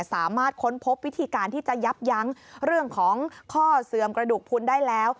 ค้นพบวิธีการที่จะยับยั้งเรื่องของข้อเสื่อมกระดูกพุนได้แล้ว